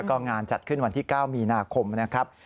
ก็งานจัดขึ้นวันที่๙มีนาคมนะครับ